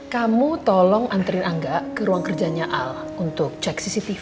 kamu tolong antri angga ke ruang kerjanya al untuk cek cctv